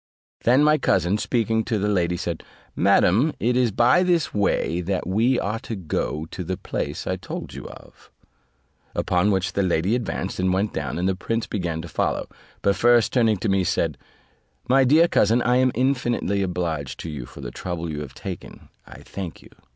Then my cousin, speaking to the lady, said, "Madam, it is by this way that we are to go to the place I told you of:" upon which the lady advanced, and went down, and the prince began to follow; but first turning to me, said, "My dear cousin, I am infinitely obliged to you for the trouble you have taken; I thank you.